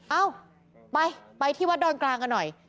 เอ้าไปไปที่วัดดอนกลางกันหน่อย